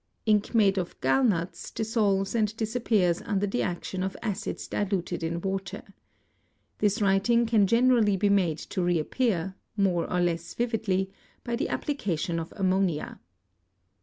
Ink made of gallnuts dissolves and disappears under the action of acids diluted in water. This writing can generally be made to reappear, more or less vividly, by the application of ammonia.